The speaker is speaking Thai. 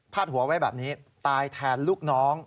หัวไว้แบบนี้ตายแทนลูกน้อง